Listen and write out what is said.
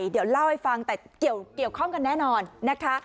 เดี๋ยวเล่าให้ฟังแต่เกี่ยวข้องกันแน่นอนนะคะ